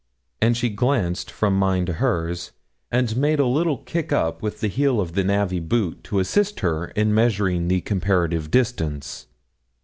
And she glanced from mine to hers, and made a little kick up with the heel of the navvy boot to assist her in measuring the comparative distance.